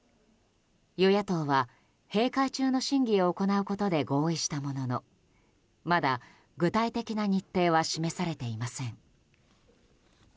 与野党は閉会中の審議を行うことで合意したものの、まだ具体的な日程は示されていません。